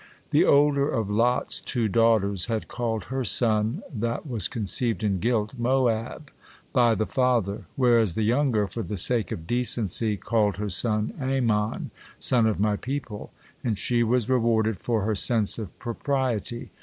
The older of Lot's two daughters had called her son that was conceived in guilt, Moab, "by the father," whereas the younger, for the sake of decency, called her son Ammon, "son of my people," and she was rewarded for her sense of propriety.